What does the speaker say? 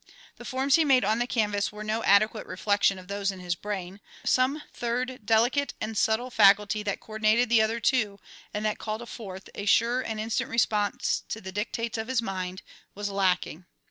The forms he made on the canvas were no adequate reflection of those in his brain; some third delicate and subtle faculty that coordinated the other two and that called forth a sure and instant response to the dictates of his mind, was lacking.